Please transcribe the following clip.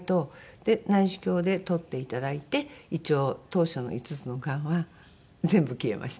で内視鏡で取っていただいて一応当初の５つのがんは全部消えました。